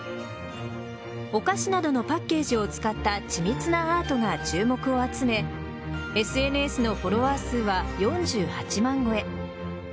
お菓子などのパッケージを使った緻密なアートが注目を集めＳＮＳのフォロワー数は４８万超え。